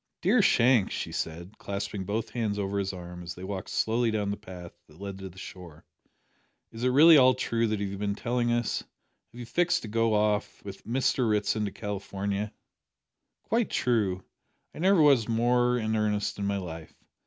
"Dear Shank," she said, clasping both hands over his arm as they walked slowly down the path that led to the shore, "is it really all true that you have been telling us? Have you fixed to go off with with Mr Ritson to California?" "Quite true; I never was more in earnest in my life.